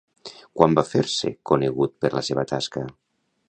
Quan va fer-se conegut per la seva tasca?